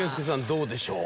どうでしょう？